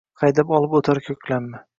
haydab olib oʼtar koʼklamni